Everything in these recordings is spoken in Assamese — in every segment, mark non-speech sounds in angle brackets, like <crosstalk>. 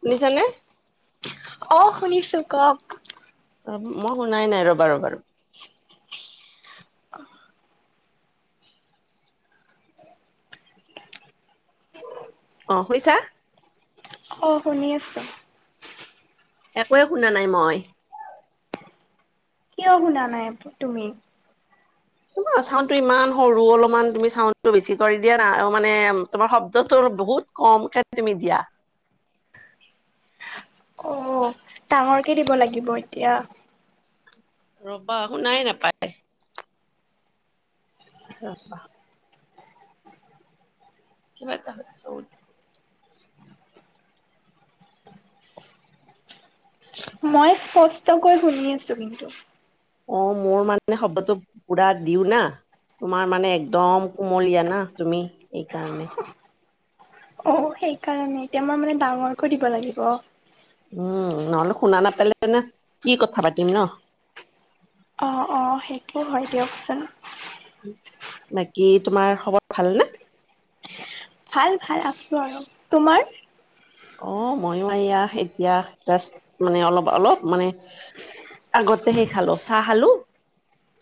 শুনিছানে? অ শুনিছো, কওক? মই শুনাই নাই, ৰ'বা ৰ'বা ৰ অ শুনিছা? অ শুনি আছো। একোৱে শুনা নাই মই। কিয় শুনা নাই? তুমি। মাৰ, চাউণ্ডটো ইমান সৰু অলপমান, তুমি চাউণ্ডটো বেছি কৰি দিয়া না, মানে তোমাৰ শব্দটোৰ বহুত কমকে তুমি দিয়া। অ'। ডাঙৰকে দিব লাগিব এতিয়া। ৰ'বা, শুনাই নাপায়। <unintelligible> <unintelligible> মই স্পষ্টকৈ শুনি আছোঁ কিন্তু। অ', মোৰ মানে শব্দটো, পুৰা দিওঁ না। তোমাৰ মানে একদম কুমলীয়া না তুমি, এইকাৰণে। অ', সেইকাৰণে, এতিয়া মই মানে ডাঙৰকৈ দিব লাগিব। উম নহ'লে শুনা নাপালে নে, কি কথা পাতিম ন। অ', অ', সেইটোওঁ হয়, দিয়কচোন। বাকী, তোমাৰ খবৰ ভালনে? ভাল ভাল, আছোঁ আৰু, তোমাৰ? অ', ময়ো এইয়া এতিয়া জাষ্ট, মানে অলপ অলপ মানে আগতে হেৰি খালোঁ, চাহ খালোঁ।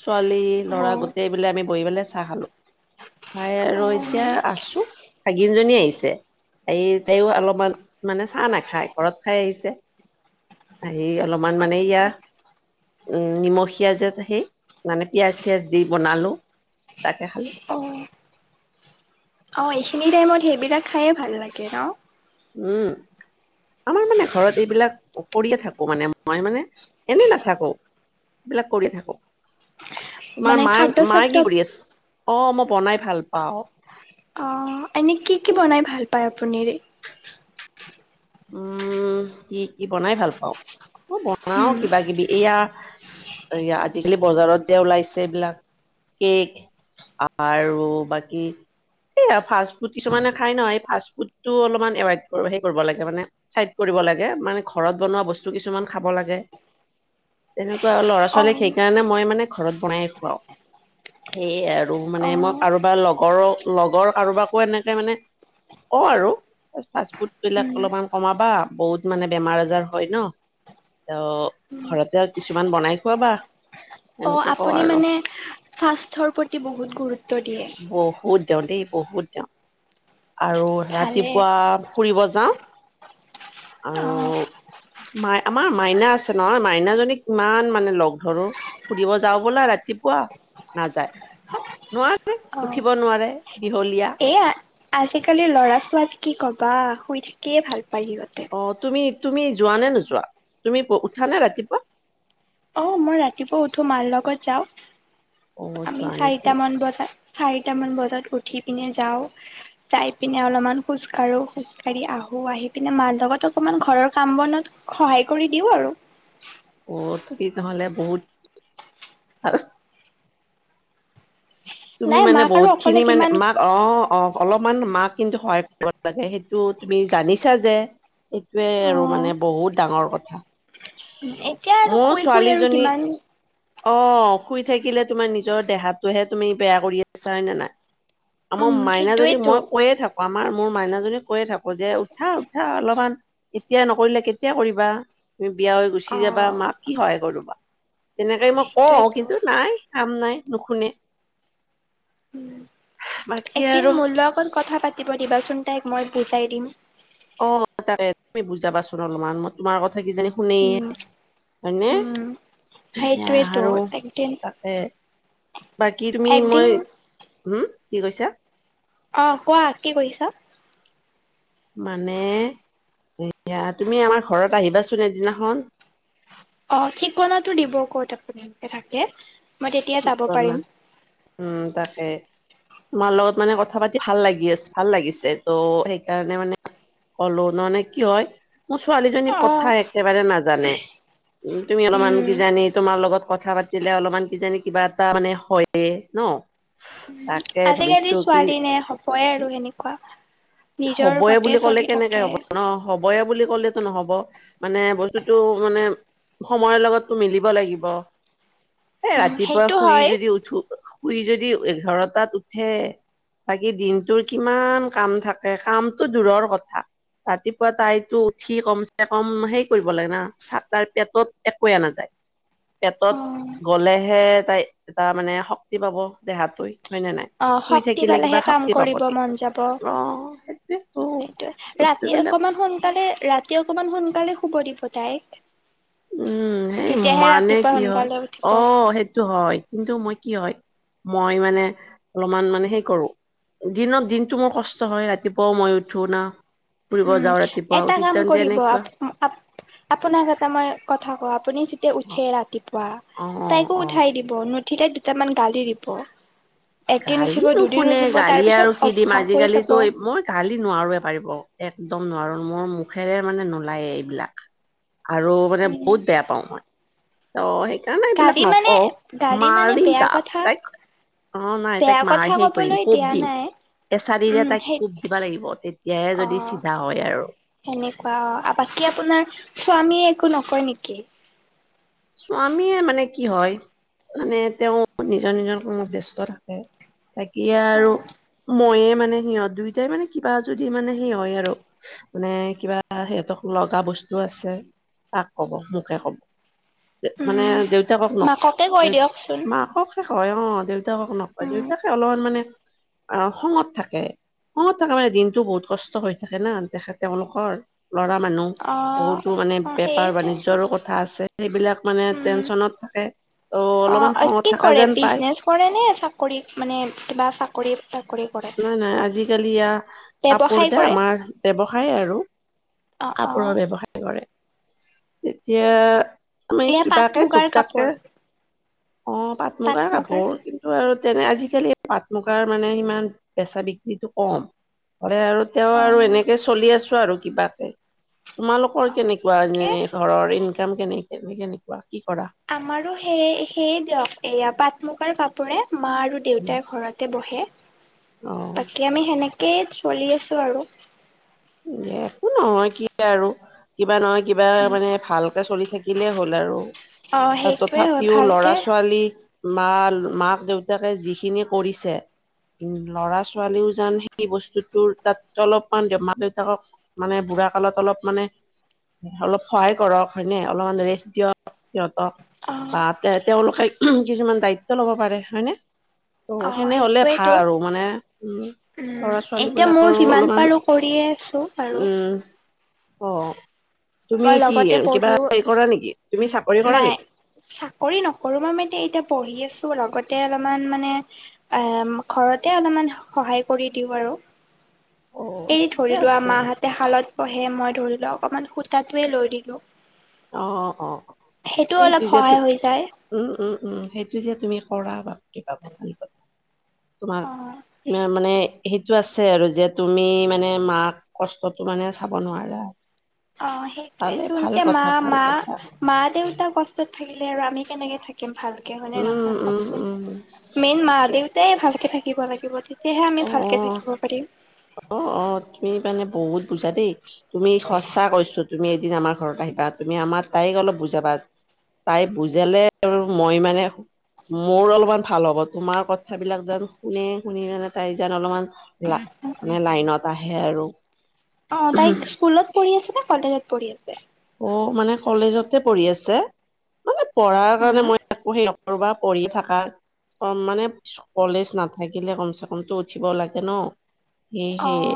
ছোৱালী, অ ল'ৰা গোটেইবিলাক আমি বহি পেলাই চাহ খালোঁ। খাই অ আৰু এতিয়া আছোঁ, ভাগিন জনী আহিছে, এই তাইও অলপমান মানে চাহ নাখায়, ঘৰত খাই আহিছে, আহি অলপমান মানে ইয়াৰ নিমখিয়া যে সেই, মানে পিয়াজ চিয়াজ দি বনালোঁ। তাকে খালোঁ। অ অ', এইখিনি টাইমত সেইবিলাক খায়েই ভাল লাগে ন। উম। আমাৰ মানে ঘৰত এইবিলাক কৰিয়েই থাকো মানে, মই মানে এনেই নাথাকো। এইবিলাক কৰিয়েই থাকো, মানে তোমাৰ মাৰ, খাদ্য মায়ে চাদ্য কি কৰি আছে? অ', মই বনাই ভাল পাওঁ। অ', এনেই কি কি বনাই ভাল পায় আপুনিৰে? উম, কি কি বনাই ভাল পাওঁ? মই বনাও হুম কিবা কিবি, এইয়া আজিকালি বজাৰত যে ওলাইছে এইবিলাক, কেক আৰু বাকী এইয়া ফাষ্ট ফুড কিছুমানে খাই ন, সেই ফাষ্ট ফুডটো অলপমান এভইড, হেৰি কৰিব লাগিব। মানে চাইড কৰিব লাগে, মানে ঘৰত বনোৱা বস্তু কিছুমান খাব লাগে। তেনেকুৱা আৰু ল'ৰা অ ছোৱালীক সেইকাৰণে মই মানে ঘৰত বনাই খুৱাওঁ। সেয়েই আৰু, অ মানে মই কাৰোবাৰ লগৰ, লগৰ কাৰোবাকো এনেকে মানে কওঁ আৰু, জাষ্ট ফাষ্ট ফুড উম বিলাক অলপমান কমাবা, বহুত মানে বেমাৰ আজাৰ হয় ন। অ', ঘৰতেই আৰু কিছুমান বনাই খুৱাবা। অ', এনেকে কওঁ আপুনি আৰু মানে স্বাস্থ্যৰ প্ৰতি বহুত গুৰুত্ব দিয়ে। বহুত দিওঁ দেই, বহুত দিওঁ, আৰু ভালে ৰাতিপুৱা ফুৰিব যাওঁ আৰু অ' মাই, আমাৰ মাইনা আছে নহয়, মাইনাজনীক কিমান মানে লগ ধৰো। ফুৰিব যাওঁ ব'লা ৰাতিপুৱা, নাযায়। নোৱাৰে, উঠিব নোৱাৰে, বিহলীয়া। এই আজিকালি লৰা ছোৱাত কি কবা? শুই থাকিয়েই ভাল পায় সিহঁতে। অ তুমি তুমি যোৱা নে নোযোৱা তুমি উঠা নে ৰাতিপুৱা? মই ৰাতিপুৱা উঠো মাৰ লগত যাও। অ আমি যোৱা নেকি চাৰিটামান বজাত। চাৰিটামান বজাত উঠি পিনে যাওঁ। যাই পিনে অলপমান খোজ কাঢ়ো খোজ কাঢ়ি আহো আহি পিনে মাৰ লগত অকমান ঘৰৰ কাম বনত- সহায় কৰি দিও আৰু। অত কি তেহলে বহুত- তুমি নাই মানে মাক আৰু বহুত অকলে খিনি মানে কিমান মাক- অ অ অলপমান মাক কিন্তু সহায় কৰিব লাগে সেইটো তুমি জানিছা যে- এইটোৱে আৰু অ' মানে বহুত ডাঙৰ কথা। এতিয়া আৰু মোৰ শুই শুই আৰু ছোৱালীজনী কিমান- অ শুই থাকিলে তোমাৰ নিজৰ দেহাটোহে তুমি বেয়া কৰি আছা হয় নে নাই? উম মই মাইনা যদি সেইটোৱেতো মই কৈয়ে থাকো। আমাৰ মোৰ মাইনাজনিক কৈয়ে থাকো যে উঠা উঠা অলপমান- এতিয়া নকৰিলে কেতিয়া কৰিবা? তুমি বিয়া হৈ গুচি যাবা অ', মাক কি সহায় কৰবা? তেনেকে মই কওঁ সেইটোৱেইতো কিন্তু নাই। কাম নাই, নুশুনে। বাকী আৰু এদিন মোৰ লগত কথা পাতিব দিবাচোন তাইক মই বুজাই দিম। অ' তাকে। তুমি বুজাবাচোন অলপমান। মই তোমাৰ কথা কিজানি- শুনে। উম, হয়নে? উম, সেইটোৱেতো ঝাৰু একদিন তাকে। বাকী তুমি একদিন মই- হুম কি কৈছা? অ' কোৱা কি কৰিছ? মানে, এইয়া তুমি আমাৰ ঘৰত আহিবাচোন এদিনাখন। অ' ঠিকনাটো দিব ক'ত আপুনি থাকে। মই তেতিয়া যাব ঠিকনা, পাৰিম উম তাকে। তোমাৰ লগত মানে কথা পাতি ভাল লাগি আছে, ভাল লাগিছে। ত' সেইকাৰণে মানে- কলো নহয়, মানে কি হয়? মোৰ ছোৱালীজনী অ', কথা একেবাৰে নাজানে। উম। তুমি অলপমান উম, কিজানি তোমাৰ লগত কথা পাতি- দিলে অলপমান কিজানি কিবা এটা মানে হয়ে, ন? তাকে আজিকালি ভাবিছো কি ছোৱালী নে হবই আৰু হেনেকুৱা। হবই বুলি ক'লে কেনেকে হ'ব ন? হ'বই বুলি ক'লেতো নহ'ব। মানে বস্তুটো মানে- সময়ৰ লগতটো মিলিব লাগিব। এই উম, ৰাতিপুৱা সেইটো শুই হয় যদি উঠো- শুই যদি এঘাৰটাত উঠে। বাকী দিনটোৰ কিমান কাম থাকে- এ কামতটো দূৰৰ কথা, ৰাতিপুৱা তাইতো উঠি কম চে কম সেই কৰিব লাগে না। চাহ তাহ পেটত একোৱে নাযায়। পেটত উম, গ'লেহে তাই তাৰ মানে শক্তি পাব দেহটোৱে। অ' শক্তি পালেহে কাম কৰিব নেকি মন যাব। অ সেইটোৱেতো সেইটোয়ে। ৰাতি বস্তুবিলাক অকনমান সোনকালে ৰাত- তি অকণমান সোনকালে শুব দিব তাইক। উম সেই তেতিয়াহে মানে ৰাতিপুৱা কি হয়, সোনকালে উঠিব অ' সেইটো হয়। কিন্তু মই কি হয়, মই মানে অলপমান মানে সেই কৰো। দিনত দিনটো মোৰ কষ্ট হয় ৰাতিপুৱাও মই উঠো না। ফুৰিব উম যাওঁ ৰাতিপুৱা এটা কাম তেতিয়া কৰিব তেনেকুৱা। আপ আপোনাক এটা মই কথা কওঁ। আপুনি যেতিয়া উঠে অ' ৰাতিপুৱা। অ' অ' তাইকো অ উঠাই দিব। নুঠিলে দুটামান গালি দিব। এদিন গালি উঠিব দুদিন নুশুনে? উঠিব তাৰ গালি পিছত আৰু কি দিম? অভ্যাস হৈ আজিকালি যাব। টো এ মই গালি নোৱাৰোৱে পাৰিব। একদম নোৱাৰো। মোৰ মুখেৰে মানে নোলায়ে এইবিলাক। আৰু মানে উম বহুত বেয়া পাওঁ মই। ত' সেইকাৰণে গালি এইবিলাক মানে নকও। গালি মানে মাৰিম বেয়া তাক কথা তাইক। অ'। নাই বেয়া তাইক কথা মাৰহে ক'বলৈ কৰিম, দিয়া কোব দিম। নাই এচাৰিৰে উম তাইক সেই কোব দিব লাগিব। তেতিয়াহে যদি চিধা হয় আৰু। এনেকুৱা অ'। বাকী আপোনাৰ স্বামীয়ে একো নকয় নেকি? স্বামীয়ে মানে কি হয়, মানে তেওঁ নিজৰ নিজৰ কোনো ব্যস্ত থাকে। এতিয়া আৰু মইয়ে মানে সিহঁত দুই টাই মানে কিবা যদি মানে সেই হয় আৰু। মানে কিবা সিহঁতক লগা বস্তু আছে, কাক কব? মোকে কব। মানে উম দেউতাকক নকয়। মাককে কৈ দেউ দিয়কচোন মাকক হয়, অ' দেউতাকক নকয়, উম দেউতাকে অলপমান মানে অহ খঙত থাকে। খঙত থাকে মানে, দিনটো বহুত কষ্ট হৈ থাকে ন। তেখেত তেওঁলোকৰ। ল'ৰা মানুহ। অ বহুতো মানে অ সেই বেপাৰ বাণিজ্যৰো কথা আছে। সেইবিলাক মানে উম টেনচনত থাকে। ত' অলপমান খঙত থকা যেন পায়। কৰেনে, চাকৰিত মানে কিবা চাকৰি তাকৰি? কৰে নাই নাই। আজিকালি এইয়া কাপোৰ ব্যৱসায় যে কৰে আমাৰ ব্যৱসায় আৰু। অ অ কাপোৰৰ ব্যৱসায় কৰে। তেতিয়া আমি এয়া পাট কিবাকে মুগাৰ টুক কাপোৰ টাককে অ', পাট পাট-মুগাৰ মুগাৰ কাপোৰ। কিন ত' আৰু তেনে আজিকালি পাট-মুগাৰ মানে সিমান বেচা-বিক্ৰীটো কম হ'লে আৰু তেঅ' অ আৰু এনেকে চলি আছোঁ আৰু কিবাকে। অ তোমালোকৰ কেনেকুৱা? ঠিকে যেনে ঘৰৰ ইনকাম কেনে, কেনেকুৱা, কি কৰা? আমাৰো সেয়ে, সেয়ে দিয়ক। এইয়া পাট-মুগাৰ কাপোৰে, মা আৰু দেউতাৰ ঘৰত। তে বহে। অ বাকী আমি সেনেকেই চলি আছোঁ আৰু। একো নহয়, কি আৰু কিবা নহয় কিবা, মানে ভালকে চলি থাকিলেই হ'ল আৰু। অ সেইটোৱে হয় তথাপিও ভালকে ল'ৰা-ছোৱালী মাল মাক-দেউতাকে যিখিনি কৰিছে। উম। ল'ৰা-ছোৱালীও যান সেই বস্তুটো ৰ তাত অলপমান <unintelligible> থাকক, মানে বুঢ়া কালত অলপ মানে অলপ সহায় কৰক। হয়নে? অলপমান ৰেষ্ট দিয়ক সিহঁতক। অ বা তে তেওঁলোকে কিছুমান দায়িত্ব ল'ব পাৰে। হয়নে? ত' অ সেনে হ'লে সেইটোৱেইটো ভাল আৰু মানে, উম ল'ৰা-ছোৱালীবিলাকৰো অলমান <unintelligible> আছোঁ। উম। অ'। তুমি মই কি, লগতে কিবা পঢ়িও হেৰি কৰা নেকি? তুমি চাকৰি কৰা নাই নেকি? চাকৰি নকৰোঁ। মই মানে এতিয়া পঢ়ি আছোঁ, লগতে অলপমান মানে আ', ঘৰতে অলপমান সহায় কৰি দিওঁ আৰু। অ এই ঠিকে ধৰি লোৱা, আছে মাহঁতে শালত বহে, মই ধৰি লোৱা, অকমান সূতটোৱে লৈ দিলোঁ। অ অ সেইটো অলপ সহায় হৈ যায়। উম, উম, উম। সেইটো যে তুমি কৰা বা <unintelligible> তোমাৰ অ <unintelligible> মানে সেইটো আছে আৰু যে তুমি মানে মাক কষ্টটো মানে চাব নোৱাৰা। অঁ সেইটোৱে ভালে টো ভাল এতিয়া মা কথা ভাল মা কথা মা-দেউতা কষ্টত থাকিলে আৰু আমি কেনেকে থাকি কিম ভালকে হয়নে উম নহয় উম কওঁকচোন, উম মেইন ঠিকে মা-দেউতাই ভালকে থাকিব লাগিব তে তেতিয়াহে আমি ভালকে থাকিব পাৰিম। অঁ, অঁ, তুমি মানে বহুত বুজা দেই। তুমি সঁচা কৈছো, তুমি এদিন আমাৰ ঘৰত আহিবা, তুমি আমাৰ তাইক অলপ বুজাবা তাই বুজালে আৰু মই মানে মোৰ অলপমান ভাল হ'ব। তোমাৰ কথাবিলাক যেন শুনে, শুনি কিনে তাই যেন অলমান লা ইনত আহে আৰু। অঁ, তাই স্কুলত পঢ়ি আছে নে, কলেজত পঢ়ি আছে? অ', মানে কলেজতে পঢ়ি আছে, মানে পঢ়াৰ কাৰণে মই একো সেই ন কৰ'বা পঢ়ি থাকা। ক'ম মানে, কলেজ নাথাকিলে কমচেকম টো উঠিব লাগে ন'। এই অ সেয়ে,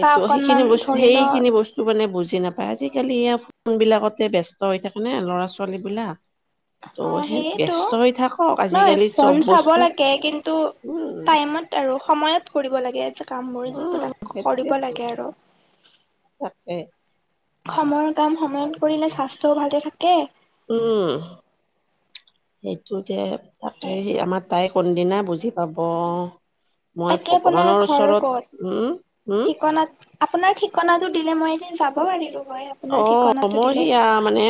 বা অকনমান সেইখিনি বস্তু, ধৰি ল সেইখিনি বস্তু সেটো মানে বুজি নাপায়। আজিকালি এয়া ফোন বিলাকতে ব্যস্ত হৈ থাকে নে ল'ৰা ছোৱালী বিলাক। <inaudible> অঁ, সেয়েটো। ব্যস্ত হৈ থাকক নহয় আজিকালি ফোন চব চাব বস্তু লাগে কিন্তু উম টাইমত আৰু‌ সময়ত কৰিব লাগে, এ যে কামবোৰ, উম যিবিলাক কৰিব সেইটোয়েতো লাগে আৰু। তাকে। সময়ৰ কাম সময়ত কৰিলে স্বাস্থ্যও ভালে থাকে। উম, সেইটো যে তাকে, সেই আমাৰ তাই কোনদিনা বুজি পাব? মই বাকী আপোনাৰ ভগৱানৰ ঘৰ ওচৰত ক'ত? উম হম ঠিকনাত আপোনাৰ ঠিকনাটো দিলে, মই এদিন যাব পাৰিলো হয়। আপোনাৰ অ' ঠিকনাটো মই দিলে। সেয়া মানে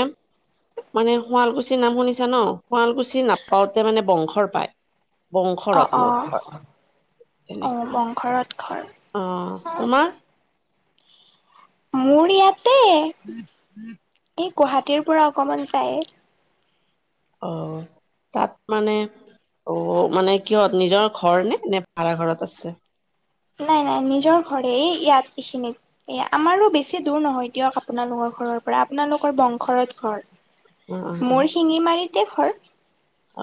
মানে শুৱালকুছিৰ নাম শুনিছা ন'? শুৱালকুছি নাপাওঁতে মানে বংশৰ পায়। অ বংশৰত অ মোৰ ঘৰ। অ তেনেকুৱা বংঘৰত ঘৰ অঁ অ। তোমাৰ? মোৰ ইয়াতে। <unintelligible> এই গুৱাহাটীৰ পৰা অকমান যায়ে। অ'হ তাত মানে? অহ' মানে কিহত নিজৰ ঘৰ নে? নে ভাড়া ঘৰত আছে? নাই নাই নিজৰ ঘৰেই ইয়াত ইখিনিত। এয়া আমাৰো বেছি দূৰ নহয় দিয়ক আপোনালোকৰ ঘৰৰ পৰা, আপোনালোকৰ বংশৰত ঘৰ। অ', অ', মোৰ শিঙিমাৰিতে ঘৰ।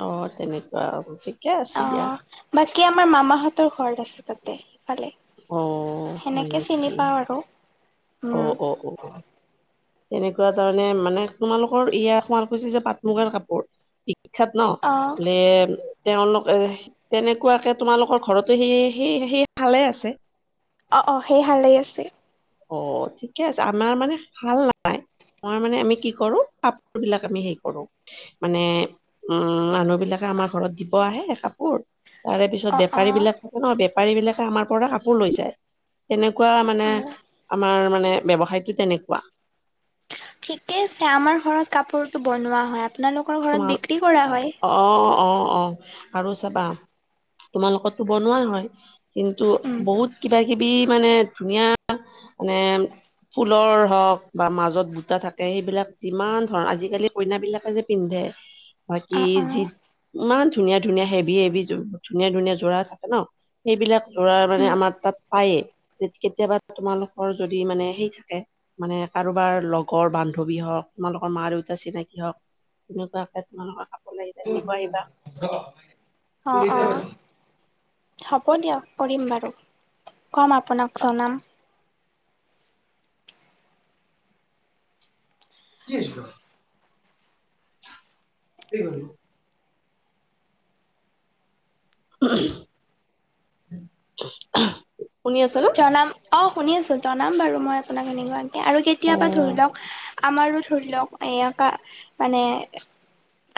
অ' তেনেকুৱা আৰু অ <unintelligible> অ', বাকী আমাৰ মামাহঁতৰ ঘৰত আছে তাতে। সিফালে। অ' হয় সেনেকে চিনি নেকি? পাওঁ আৰু উম অ' অ' অ' তেনেকুৱা তাৰমানে মানে তোমালোকৰ এয়া শুৱালকুছি যে পাট মুগাৰ কাপোৰ ই বিখ্যাত ন অ এ <unintelligible> তেওঁলোকে তেনেকুৱাকে তোমালোকৰ ঘৰতো সি সি সি ভালে আছে। অ, অ সেইহালে আছে। অহ ঠিকে আছে, আমাৰ মানে ভাল নাপাই। মই মানে আমি কি কৰো, কাপোৰ বিলাক আমি হেই কৰো। মানে উম মানুহ বিলাকে আমাৰ ঘৰত দিব আহে কাপোৰ। তাৰে পিছত অ', বেপাৰী অ', বিলাক ন বেপাৰী বিলাকে আমাৰ পৰা কাপোৰ লৈ যায়। তেনেকুৱা মানে অ', আমাৰ মানে ব্যৱসায়টো তেনেকুৱা। ঠিকে আছে আমাৰ ঘৰত কাপোৰটো বনোৱা হয়। আপোনালোকৰ ঘৰত বিক্ৰী কৰা হয়। অঁ অঁ অঁ। আৰু চাবা তোমালোকতটো বনোৱাই হয়। কিন্তু উম, বহুত কিবা কিবি মানে ধুনীয়া মানে ফুলৰ হওক, বা মাজত বুটা থাকে সেইবিলাক যিমান ধৰণৰ আজিকালি কইনাবিলাকে যে পিন্ধে বাকী অ', যি। অ', ইমান ধুনীয়া ধুনীয়া হেভি হেভি যো ধুনীয়া ধুনীয়া যোৰা থাকে ন সেইবিলাক যোৰা মানে উম, আমাৰ তাত পায়ে কেতিয়াবা তোমালোকৰ যদি মানে সেই থাকে। মানে কাৰোবাৰ লগৰ বান্ধৱী হওঁক, তোমালোকৰ মা দেউতাৰ চিনাকি হওক, তেনেকুৱা <unintelligible> কথা। অঁ অঁ। হ'ব দিয়ক কৰিম বাৰু। কম আপোনাক জনাম। <unintelligible> উম <unintelligible> শুনি আছ নে? জনাম। অহ শুনি আছোঁ। জনাম বাৰু মই আপোনাক এনেকুৱা আৰু অ কেতিয়াবা ধৰি লওক আমাৰো ধৰি লওক এইয়া কা মানে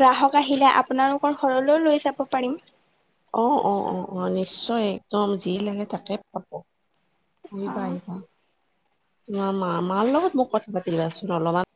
গ্ৰাহক আহিলে আপোনালোকৰ ঘৰলৈও লৈ যাব পাৰিম। অঁ অঁ অঁ অঁ, নিশ্চয় একদম যি লাগে তাকে আহিবা অ'। আহিবা <unintelligible> তোমাৰ মা মাৰ লগত মোক কথা পাতি দিবাচোন অলপমান।